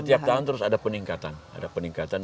setiap tahun terus ada peningkatan